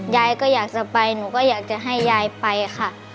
ยายก็อยากจะไปหนูก็อยากจะให้ยายไปค่ะ